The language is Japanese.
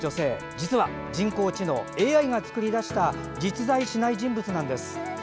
実は人工知能＝ＡＩが作り出した実在しない人物なんです。